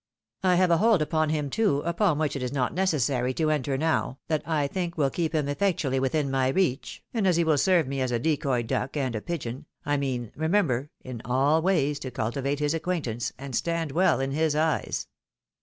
I have' a hold upon him too, upon which it is not necessary to enter now, that I think wiU keep him effectually within my reach, and, aS' he will serve me as a decoy duck, and a pigeon, I mean, remember, in all ways to cultivate his acquaintance, and stand well in his eyes."